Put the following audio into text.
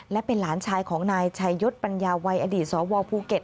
และเป็นหลานชายของนายชัยยศปัญญาวัยอดีตสวภูเก็ต